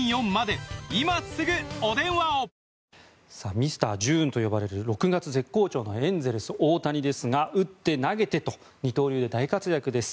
ミスター・ジューンと呼ばれる６月絶好調のエンゼルス、大谷ですが打って投げてと二刀流で大活躍です。